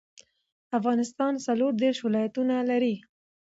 افغانستان څلور دیرش ولايتونه لري